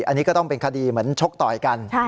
อันนี้ก็ต้องเป็นคดีเหมือนชกต่อยกัน